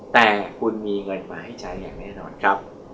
แต่คุณมีเงินมาให้ใช้อย่างแน่นอนครับ